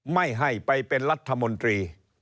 ไม่ให้ไปเป็นรัฐมนตรี